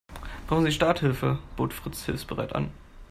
Brauchen Sie Starthilfe?, bot Fritz hilfsbereit an.